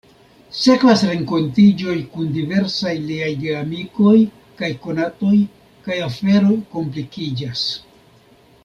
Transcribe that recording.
Sekvas renkontiĝoj kun diversaj liaj geamikoj kaj konatoj, kaj aferoj komplikiĝas.